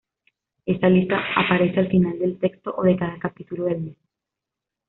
Esa lista aparece al final del texto o de cada capítulo del mismo.